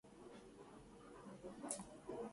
僕らは何かを求めてゴミの山を漁っていた